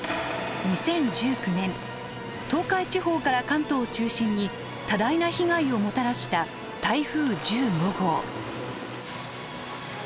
東海地方から関東を中心に多大な被害をもたらした台風１５号。